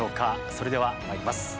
それではまいります。